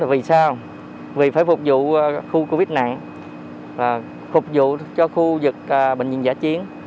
vì sao vì phải phục vụ khu covid nặng phục vụ cho khu dịch bệnh viện giả chiến